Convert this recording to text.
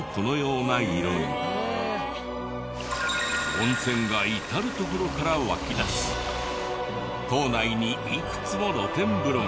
温泉が至る所から湧き出し島内にいくつも露天風呂が。